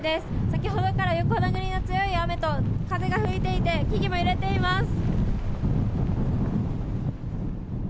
先ほどから横殴りの強い雨と風が吹いていて木々も揺れています。